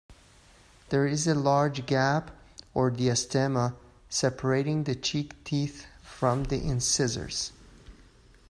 There is a large gap, or diastema, separating the cheek teeth from the incisors.